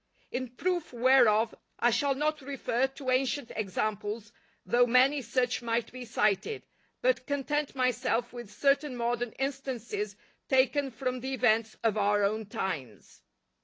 In proof whereof, I shall not refer to ancient examples, though many such might be cited, but content myself with certain modern instances taken from the events of our own times.